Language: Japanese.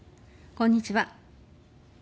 こんにちは。